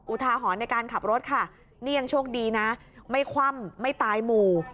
อุทาหรณ์ในการขับรถค่ะนี่ยังโชคดีนะไม่คว่ำไม่ตายหมู่